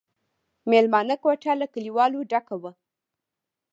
مېلمانه کوټه له کليوالو ډکه وه.